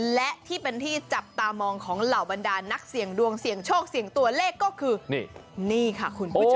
และที่เป็นที่จับตามองของเหล่าบรรดานักเสี่ยงดวงเสี่ยงโชคเสี่ยงตัวเลขก็คือนี่ค่ะคุณผู้ชม